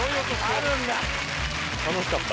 楽しかった。